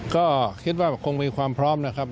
ก็คิดว่าคงมีความพร้อมนะครับ